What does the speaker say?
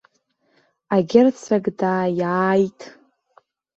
Агерцог дааиааит.